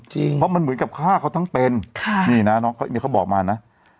เพราะมันเหมือนกับฆ่าเขาทั้งเป็นค่ะนี่นะน้องเขาเนี่ยเขาบอกมานะ